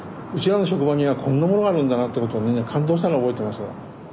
らの職場にはこんなものがあるんだなってことをみんな感動したのを覚えてます。